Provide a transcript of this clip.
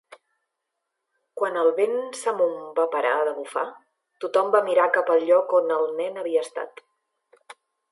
Quan el vent samum va parar de bufar, tothom va mirar cap el lloc on el nen havia estat.